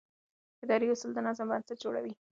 اداري اصول د نظم بنسټ جوړوي.